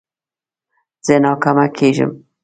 زه ناکامه کېږم.